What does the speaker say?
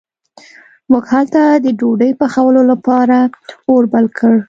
موږ هلته د ډوډۍ پخولو لپاره اور بل کړ.